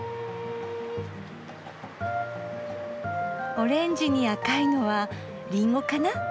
オレンジに赤いのはリンゴかな？